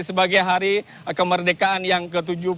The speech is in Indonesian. sebagai hari kemerdekaan yang ke tujuh puluh tujuh